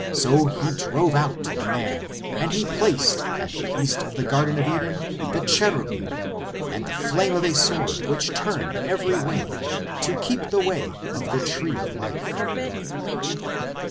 So He drove out the man ; and He placed at the east of the Garden of Eden the Cheru bim, and the flame of a sword which turned every way, to keep the way of the Tree of Life."